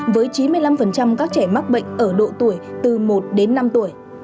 với chín mươi năm các trẻ mắc bệnh ở độ tuổi từ một đến năm tuổi